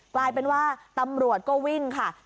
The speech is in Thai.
กลายเป็นว่าตำรวจก็วิ่งค่ะ